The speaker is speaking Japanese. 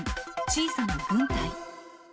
小さな軍隊。